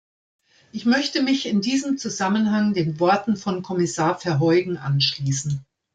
Ich möchte mich in diesem Zusammenhang den Worten von Kommissar Verheugen anschließen.